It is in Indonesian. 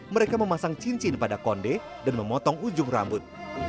mereka memasang cincin pada konde dan memotong ujung rambut